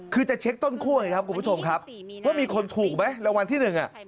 คือจะเช็คต้นคั่วไงครับคุณผู้ชมครับว่ามีคนถูกไหมรางวัลที่หนึ่งอ่ะ